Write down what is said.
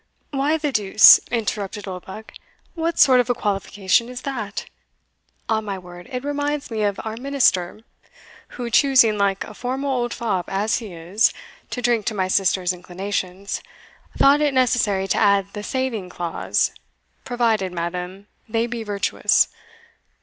"Why the deuce," interrupted Oldbuck, "what sort of a qualification is that? On my word, it reminds me of our minister, who, choosing, like a formal old fop as he is, to drink to my sister's inclinations, thought it necessary to add the saving clause, Provided, madam, they be virtuous.